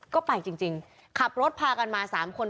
ก็ไปจริงขับรถพากันมา๓คน